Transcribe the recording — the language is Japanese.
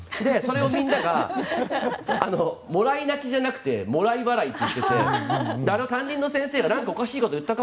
それをみんながもらい泣きじゃなくてもらい笑いって言っていて担任の先生が何かおかしいこと言ったか？